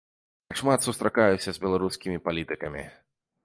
Я шмат сустракаюся з беларускімі палітыкамі.